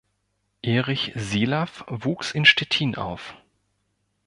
Erich Sielaff wuchs in Stettin auf.